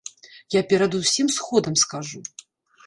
Я перад усім сходам скажу.